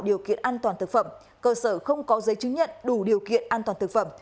điều kiện an toàn thực phẩm cơ sở không có giấy chứng nhận đủ điều kiện an toàn thực phẩm